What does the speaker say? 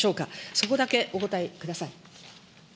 そこだけお答えください。